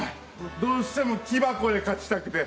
どうしても木箱で勝ちたくて。